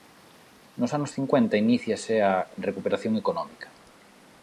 Nos anos cincuenta iníciase a recuperación económica.